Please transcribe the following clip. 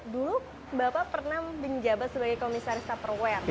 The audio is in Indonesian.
dulu bapak pernah menjabat sebagai komisaris superware